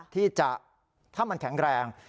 ที่จะถ้ามันแข็งแรง